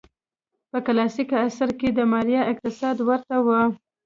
په کلاسیک عصر کې د مایا اقتصاد ورته و.